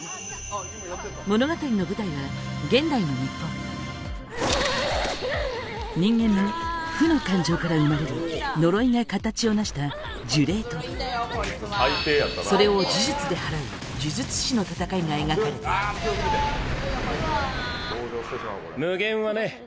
物語の舞台は現代の日本人間の負の感情から生まれる呪いが形を成した呪霊とそれを呪術で祓う呪術師の戦いが描かれている「無限」はね